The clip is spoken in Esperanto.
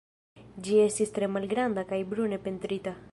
Ĝi estis tre malgranda kaj brune pentrita.